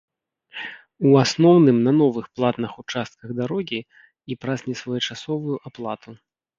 У асноўным на новых платных участках дарогі і праз несвоечасовую аплату.